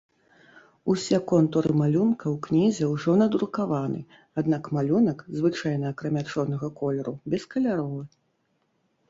Усе контуры малюнка ў кнізе ўжо надрукаваны, аднак малюнак, звычайна акрамя чорнага колеру, бескаляровы.